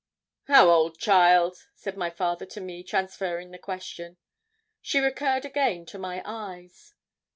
'How old, child?' said my father to me, transferring the question. She recurred again to my eyes.